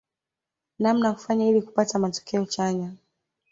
Namna ya kufanya ili kupata matokeo chanya